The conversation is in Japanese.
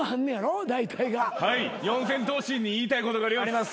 はい四千頭身に言いたいことがあります。